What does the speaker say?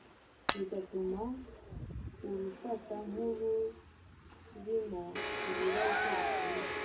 bigatuma arufata nk’ururimo ibibazo bikomeye.